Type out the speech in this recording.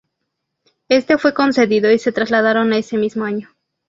Este fue concedido y se trasladaron ese mismo año.